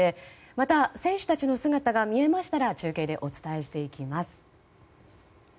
また、選手たちの姿が見えましたら中継でお伝えしていきます。